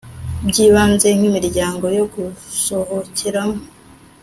by ibanze nk imiryango yo gusohokeramo